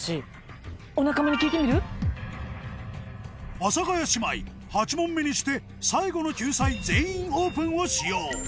阿佐ヶ谷姉妹８問目にして最後の救済「全員オープン」を使用